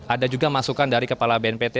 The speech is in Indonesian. ada juga masukan dari kepala bnpt